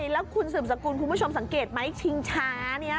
แล้วคุณสืบสกุลคุณผู้ชมสังเกตไหมชิงช้านี้